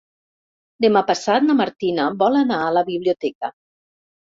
Demà passat na Martina vol anar a la biblioteca.